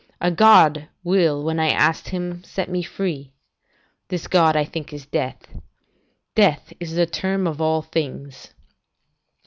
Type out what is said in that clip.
A god will when I ask Him, set me free. This god I think is death. Death is the term of all things."